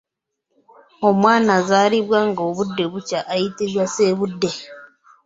Omwana azaalibwa nga obudde bukya ayitibwa Ssebudde.